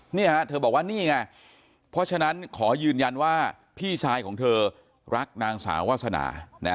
เธอบอกว่านี่ไงเพราะฉะนั้นขอยืนยันว่าพี่ชายของเธอรักนางสาววาสนา